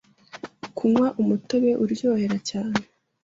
Kunywa umutobe uryohera cyane